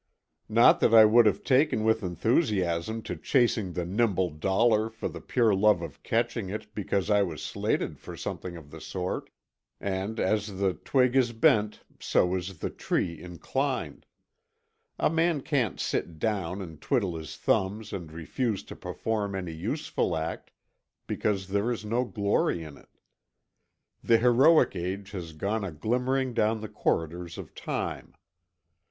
Not that I would have taken with enthusiasm to chasing the nimble dollar for the pure love of catching it, but because I was slated for something of the sort, and as the twig is bent so is the tree inclined; a man can't sit down and twiddle his thumbs and refuse to perform any useful act, because there is no glory in it. The heroic age has gone a glimmering down the corridors of time.